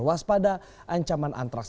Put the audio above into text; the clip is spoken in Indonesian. waspada ancaman antraks